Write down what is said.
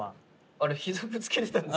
あれひざぶつけてたんですか？